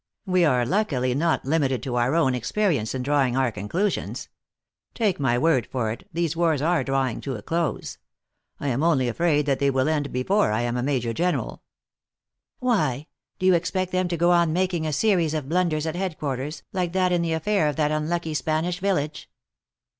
" We are luckily not limited to our own experience in drawing our conclusions. Take my word for it, these wars are drawing to a close. I am only afraid that they will end before I am a Major General." " Why ! Do you expect them to go on making a series of blunders at headquarters, like that in the affair of that unlucky Spanish village?"